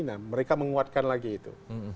nah mereka menguatkan lagi itu